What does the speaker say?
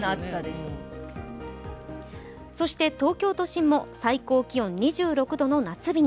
そして、東京都心も最高気温２６度の夏日。